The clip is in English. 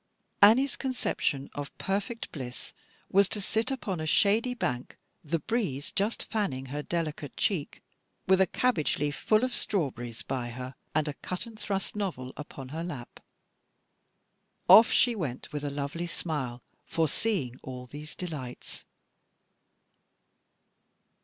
Annie's conception of perfect bliss was to sit upon a shady bank, "the breeze just fanning her delicate cheek," with a cabbage leaf full of strawberries by her, and a cut and thrust novel upon her lap. Off she went with a lovely smile, foreseeing all these delights.